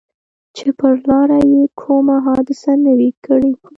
چې پر لاره یې کومه حادثه نه وي کړې.